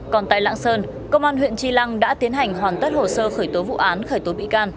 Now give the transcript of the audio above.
còn tại lạng sơn công an huyện tri lăng đã tiến hành hoàn tất hồ sơ khởi tố vụ án khởi tố bị can